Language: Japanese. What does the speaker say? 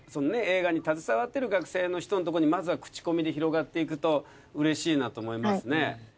映画に携わってる学生の人のところにまずは口コミで広がっていくとうれしいなと思いますね。